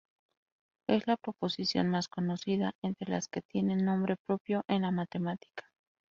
Es la proposición más conocida entre las que tienen nombre propio en la matemática.